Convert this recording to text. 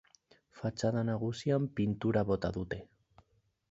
Fatxada nagusian, pintura bota dute.